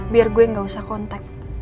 biar gue yang gak usah kontak